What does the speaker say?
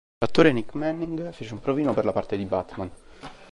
L'attore Nick Manning fece un provino per la parte di Batman.